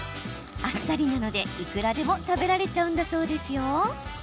あっさりなので、いくらでも食べられちゃうんだそうですよ。